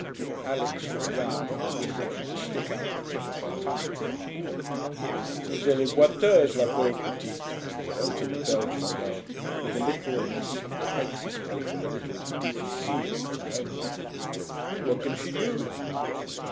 Alix looked round from the window to stick out the tip of her tongue at Margot. 'Mais elle est boiteuse, la pauvre petite,' put in the Belgian girl, with the literalness that makes this people a little difficile in home life. 'What can she do?'